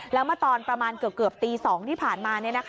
แล้วเมื่อตอนประมาณเกือบตี๒ที่ผ่านมา